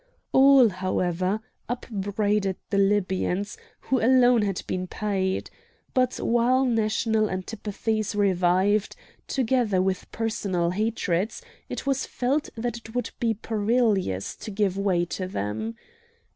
All, however, upbraided the Libyans, who alone had been paid. But while national antipathies revived, together with personal hatreds, it was felt that it would be perilous to give way to them.